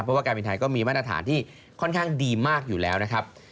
เพราะว่าการบินไทยก็มีมาตรฐานที่ค่อนข้างดีมากอยู่แล้วนะครับ